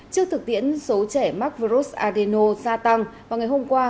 trước thực tiễn số trẻ mắc virus adeno gia tăng vào ngày hôm qua